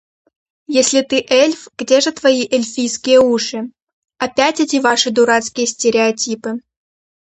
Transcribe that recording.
«Если ты эльф, где же твои эльфийские уши?» — «Опять эти ваши дурацкие стереотипы!»